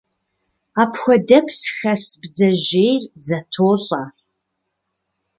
Апхуэдэпс хэс бдзэжьейр зэтолӀэ.